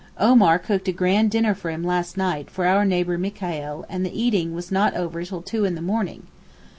Omar cooked a grand dinner for him last night for our neighbour Mikaeel, and the eating was not over till two in the morning.